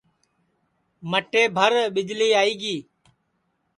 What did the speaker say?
مٹئے بھر ٻِجݪی آئی گی